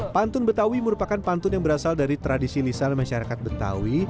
pantun betawi merupakan pantun yang berasal dari tradisi lisan masyarakat betawi